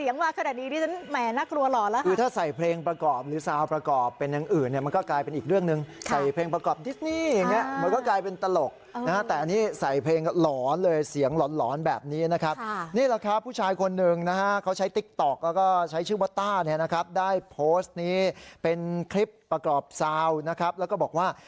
มีคลิปประกอบซาวนะครับแล้วก็บอกว่า